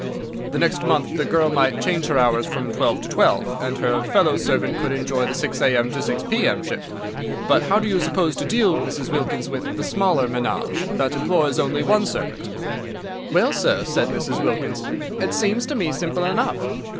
The next month the girl might change her hours from twelve to twelve, and her fellow servant could enjoy the six a.m. to six p.m. shift. But how do you propose to deal, Mrs. Wilkins, with the smaller menage, that employs only one servant?" "Well, sir," said Mrs. Wilkins, "it seems to me simple enough.